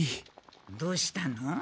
どうしたの？